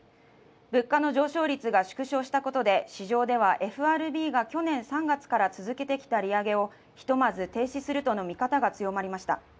物価の上昇率が縮小したことで、市場ではＦＲＢが去年３月から続けてきた利上げをひとまず停止するとの見方が強まりました。